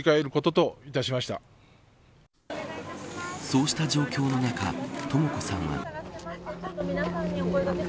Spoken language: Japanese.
そうした状況の中のとも子さんは。